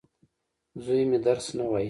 زوی مي درس نه وايي.